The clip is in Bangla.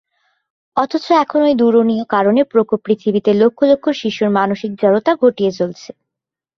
অথচ এখনো এই দূরণীয় কারণের প্রকোপ পৃথিবীতে লক্ষ লক্ষ শিশুর মানসিক জড়তা ঘটিয়ে চলেছে।